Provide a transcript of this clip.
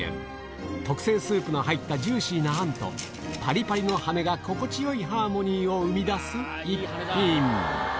特製スープの入ったジューシーなあんと、ぱりぱりの羽根が心地よいハーモニーを生み出す一品。